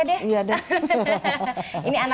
ade firman anak pertama